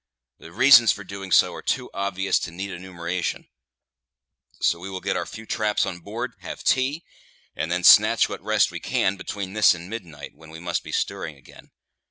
"The reasons for doing so are too obvious to need enumeration; so we will get our few traps on board, have tea, and then snatch what rest we can between this and midnight, when we must be stirring again.